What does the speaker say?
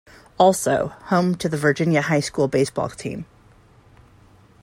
Also, home to the Virginia High School baseball team.